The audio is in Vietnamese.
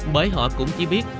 bởi họ cũng chỉ biết